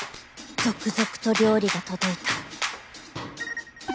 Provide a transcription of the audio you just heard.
続々と料理が届いた